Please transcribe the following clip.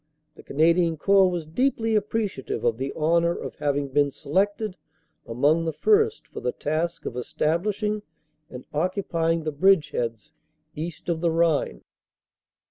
"The Canadian Corps was deeply appreciative of the honor of having been selected amongst the first for the task of establishing and occupying the bridgeheads east of the Rhine.